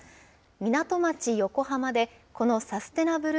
港町、横浜でこのサステナブル